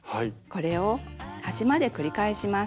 これを端まで繰り返します。